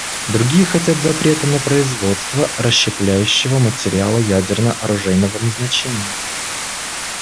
Другие хотят запрета на производство расщепляющегося материала ядерно-оружейного назначения.